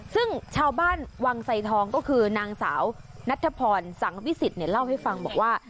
ซึ่งชาวบ้านวังไสทองก็คือนางสาวนัทพรสังวิสิทธิ์เล่าให้ฟังบอกว่า